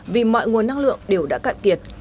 vì mọi nguồn năng lượng đều đã cạn kiệt